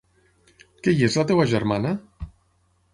Que hi és la teva germana?